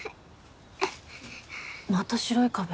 また白い壁。